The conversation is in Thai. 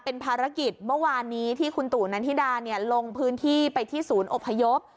เป็นภารกิจเมื่อวานนี้ที่คุณตู่นันทิดาลงพื้นที่ไปที่ศูนย์อพยพ